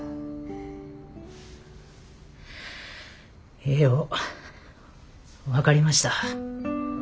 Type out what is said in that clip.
ええよ分かりました。